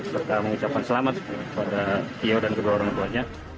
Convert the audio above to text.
serta mengucapkan selamat kepada tio dan kedua orang tuanya